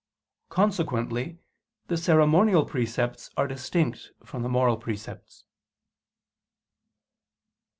Consequently the ceremonial precepts are distinct from the moral precepts.